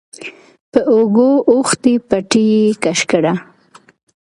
په اوږو اوښتې پټۍ يې کش کړه.